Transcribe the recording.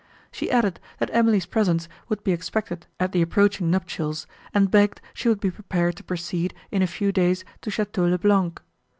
She added, that Emily's presence would be expected at the approaching nuptials, and begged she would be prepared to proceed, in a few days to Château le Blanc.